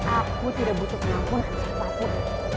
aku tidak butuh penampunan siapapun